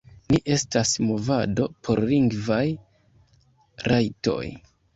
Ni estas movado por lingvaj rajtoj.